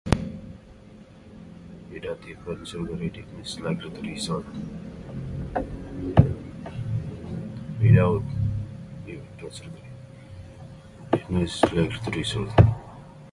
Without eventual surgery, deafness is likely to result.